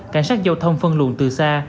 cảnh sát giao thông phân luận từ xa